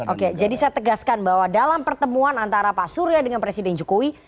oke jadi saya tegaskan bahwa dalam pertemuan antara pak surya dengan presiden jokowi